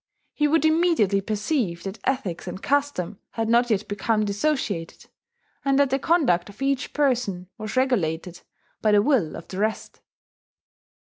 He would immediately perceive that ethics and custom had not yet become dissociated, and that the conduct of each person was regulated by the will of the rest.